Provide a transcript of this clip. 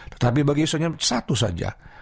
tetapi bagi isunya satu saja